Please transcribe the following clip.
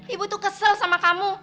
ibu tuh kesel sama kamu